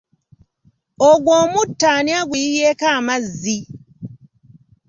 Ogwo omutto ani aguyiyeeko amazzi?